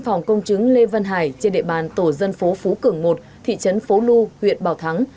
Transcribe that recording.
phòng công chứng lê văn hải trên địa bàn tổ dân phố phú cường một thị trấn phố lu huyện bảo thắng